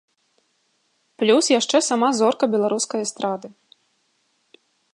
Плюс яшчэ сама зорка беларускай эстрады.